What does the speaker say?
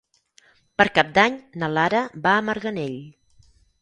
Per Cap d'Any na Lara va a Marganell.